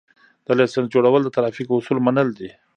د لېسنس جوړول د ترافیکو اصول منل دي